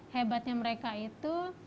hebatnya mereka itu